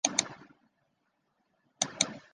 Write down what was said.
顺治二年。